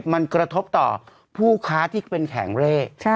มันกระทบต่อผู้ค้าที่เป็นแผงเร่